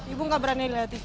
ibu gak berani lihat tv